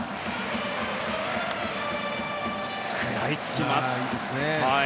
食らいつきます。